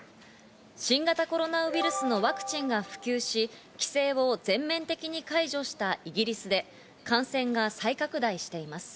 新型コロナウイルスのワクチンが普及し、規制を全面的に解除したイギリスで感染が再拡大しています。